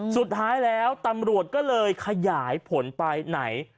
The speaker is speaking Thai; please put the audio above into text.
สุดท้ายแล้วตำรวจก็เลยขยายผลไปไหน